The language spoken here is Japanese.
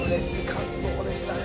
感動でしたね。